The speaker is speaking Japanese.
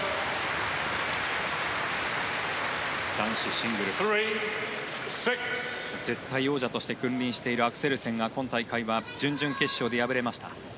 男子シングルス絶対王者として君臨しているアクセルセンが今大会は準々決勝で敗れました。